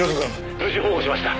無事保護しました。